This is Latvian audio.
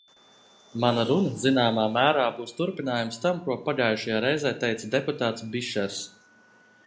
Mana runa zināmā mērā būs turpinājums tam, ko pagājušajā reizē teica deputāts Bišers.